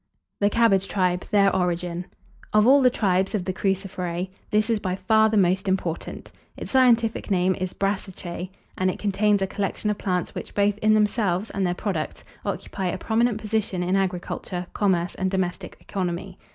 THE CABBAGE TRIBE: THEIR ORIGIN. Of all the tribes of the Cruciferae this is by far the most important. Its scientific name is Brassiceae, and it contains a collection of plants which, both in themselves and their products, occupy a prominent position in agriculture, commerce, and domestic economy.